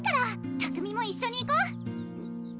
拓海も一緒に行こう！